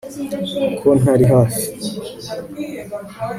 ko ntari hafi